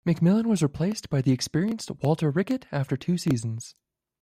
McMillan was replaced by the experienced Walter Rickett after two seasons.